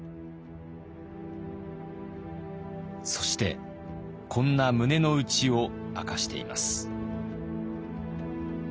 そしてこんな胸の内を明かしています。